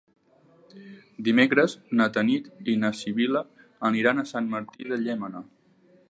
Dimecres na Tanit i na Sibil·la aniran a Sant Martí de Llémena.